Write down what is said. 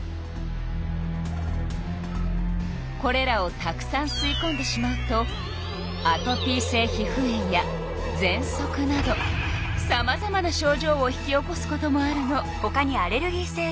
これらをたくさんすいこんでしまうとアトピー性皮膚炎やぜんそくなどさまざまなしょうじょうを引き起こすこともあるの。